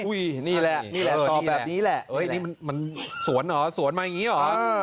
อุ้ยนี่แหละนี่แหละตอบแบบนี้แหละนี่แหละเอ้ยนี่มันสวนเหรอสวนมาอย่างงี้เหรอ